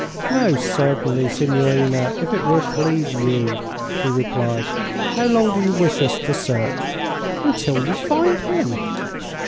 "Most certainly, signorina, if it will please you," he replied. "How long do you wish us to search?" "Until you find him."